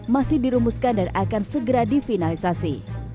masih dirumuskan dan akan segera difinalisasi